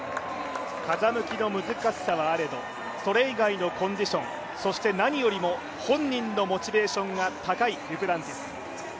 風向きの難しさはあれどそれ以外のコンディションそして何よりも本人のモチベーションが高いデュプランティス。